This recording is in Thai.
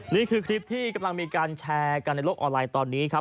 นี่คือคลิปที่กำลังมีการแชร์กันในโลกออนไลน์ตอนนี้ครับ